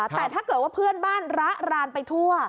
แต่ถ้าเกิดว่าเพื่อนบ้านระรานไปทั่ว